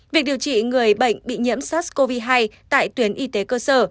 việc điều trị người bệnh bị nhiễm sars cov hai tại tuyến y tế cơ sở